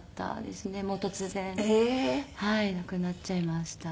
もう突然亡くなっちゃいました。